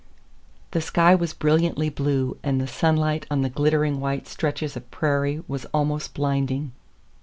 The sky was brilliantly blue, and the sunlight on the glittering white stretches of prairie was almost blinding.